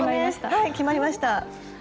はい決まりました。